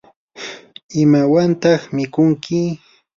¿imawantaq mikunki?